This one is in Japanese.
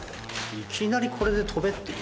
いきなりこれで跳べっていう。